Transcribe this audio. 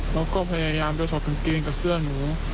เราก็พยายามจะถอดกางเกงกับเสื้อหนู